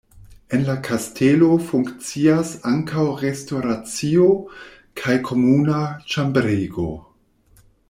En la kastelo funkcias ankaŭ restoracio kaj komuna ĉambrego.